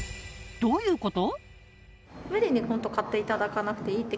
どういうこと？